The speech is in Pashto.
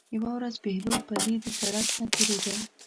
یوه ورځ بهلول پلي د سړک نه تېرېده.